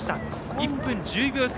１分１０秒差。